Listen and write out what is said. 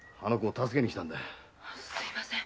すみません。